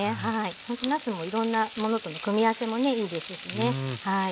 ほんとなすもいろんなものとね組み合わせもねいいですしね。